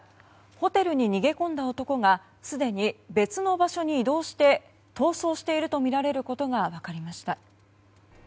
ホテルに逃げ込んだ男がすでに別の場所に逃走しているとみられることが分かりました。